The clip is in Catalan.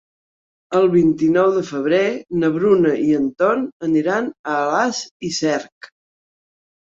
El vint-i-nou de febrer na Bruna i en Ton aniran a Alàs i Cerc.